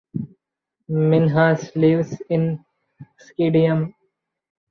Minhas lives in Schiedam.